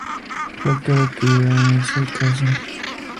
Falta la actividad en ese caso.